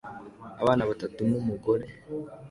Abana batatu n'umugore